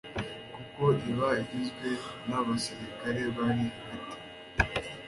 kuko iba igizwe n abasirikare bari hagati